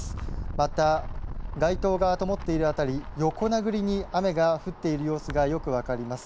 また街灯がともっている辺り横殴りに雨が降っている様子がよく分かります。